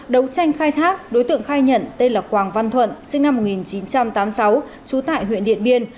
đấu tranh khai thác đối tượng khai nhận tên là quảng văn thuận sinh năm một nghìn chín trăm tám mươi sáu trú tại huyện điện biên